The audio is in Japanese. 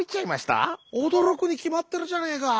「おどろくにきまってるじゃねえか。